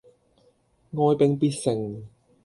哀兵必勝